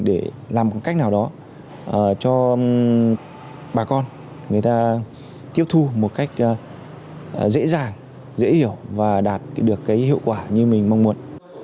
để làm một cách nào đó cho bà con người ta tiếp thu một cách dễ dàng dễ hiểu và đạt được cái hiệu quả như mình mong muốn